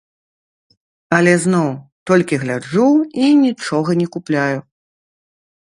Але зноў толькі гляджу і нічога не купляю.